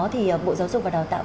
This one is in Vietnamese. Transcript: thì bộ giáo dục và đào tạo